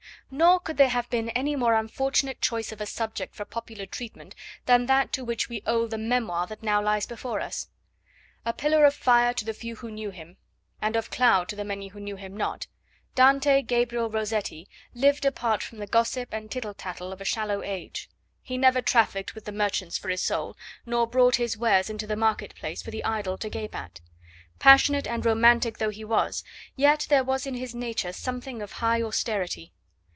Nor could there have been any more unfortunate choice of a subject for popular treatment than that to which we owe the memoir that now lies before us. A pillar of fire to the few who knew him, and of cloud to the many who knew him not, Dante Gabriel Rossetti lived apart from the gossip and tittle tattle of a shallow age. He never trafficked with the merchants for his soul, nor brought his wares into the market place for the idle to gape at. Passionate and romantic though he was, yet there was in his nature something of high austerity.